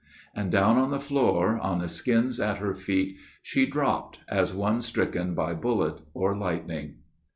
And down on the floor, on the skins at her feet She dropped as one stricken by bullet or lightning.